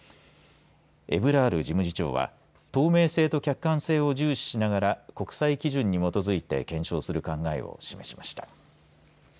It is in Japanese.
エブラール事務次長は透明性と客観性を重視しながら国際基準に基づいて検証する考えを示しました。